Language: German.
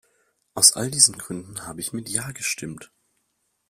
Aus all diesen Gründen habe ich mit Ja gestimmt.